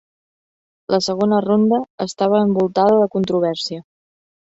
La segona ronda estava envoltada de controvèrsia.